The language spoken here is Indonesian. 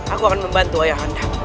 aku akan membantu ayah anda